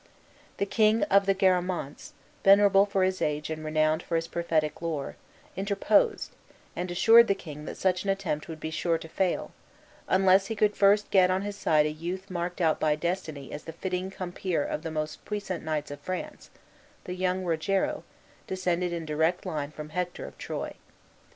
The king of the Garamantes, venerable for his age and renowned for his prophetic lore, interposed, and assured the King that such an attempt would be sure to fail, unless he could first get on his side a youth marked out by destiny as the fitting compeer of the most puissant knights of France, the young Rogero, descended in direct line from Hector of Troy.